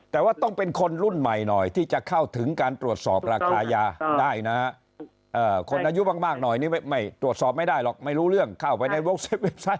แต่ว่าต้องเป็นคนรุ่นใหม่หน่อยที่จะเข้าถึงการตรวจสอบราคายาได้นะคนอายุมากหน่อยนี่ไม่ตรวจสอบไม่ได้หรอกไม่รู้เรื่องเข้าไปในเว็บไซต์